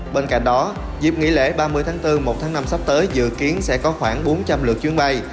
bên cạnh đó dịp nghỉ lễ ba mươi tháng bốn một tháng năm sắp tới dự kiến sẽ có khoảng bốn trăm linh lượt chuyến bay